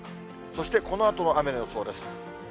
そしてこのあとの雨の予想です。